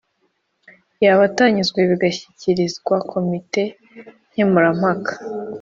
yaba atanyuzwe bigashyikirizwa komite Nkemurampaka.